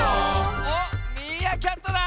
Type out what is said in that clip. おっミーアキャットだ！